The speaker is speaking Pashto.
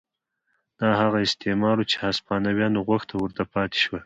دا هغه استعمار و چې هسپانویانو غوښت او ورته پاتې شول.